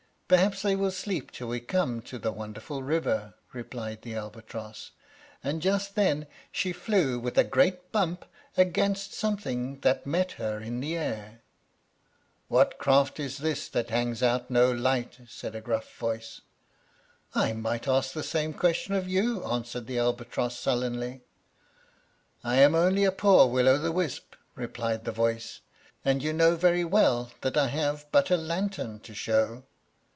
"Perhaps they will sleep till we come to the wonderful river," replied the albatross; and just then she flew with a great bump against something that met her in the air. "What craft is this that hangs out no light?" said a gruff voice. "I might ask the same question of you," answered the albatross, sullenly. "I'm only a poor Will o' the wisp," replied the voice, "and you know very well that I have but a lantern to show."